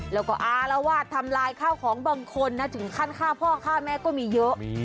แล้วก็อารวาสทำลายข้าวของบางคนนะถึงขั้นฆ่าพ่อฆ่าแม่ก็มีเยอะ